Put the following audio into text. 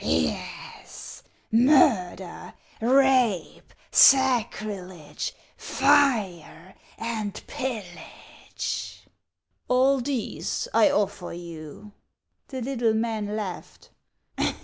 " Yes, — murder, rape, sacrilege, fire, and pillage." " All these I offer you." The little man laughed.